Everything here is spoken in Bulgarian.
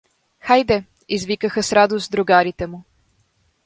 — Хайде — извикаха с радост другарите му.